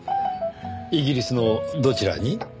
イギリスのどちらに？